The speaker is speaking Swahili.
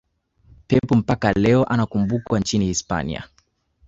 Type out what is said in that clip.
pep mpaka leo anakumbukwa nchini hispania